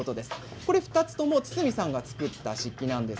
これは２つとも堤さんが作った漆器です。